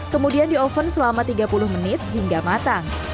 kemudian dioven selama tiga puluh menit hingga matang